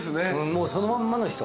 もうそのまんまの人。